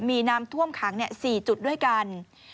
มีน้ำท่วมขัง๔จุดด้วยกัน